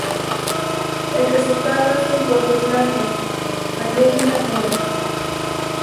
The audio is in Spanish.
El resultado es un polvo blanco, alúmina pura.